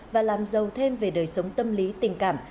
và làm giàu thêm về đời sống tâm lý tình cảm